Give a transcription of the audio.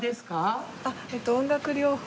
音楽療法？